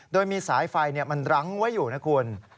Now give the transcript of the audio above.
โดยมีสายไฟมันรั้งไว้อยู่นะคุณ